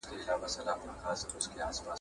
زه مخکي چپنه پاک کړې وه!